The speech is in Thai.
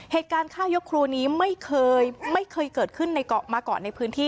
เหตุการณ์ฆ่ายกครูนี้ไม่เคยเกิดขึ้นมาก่อนในพื้นที่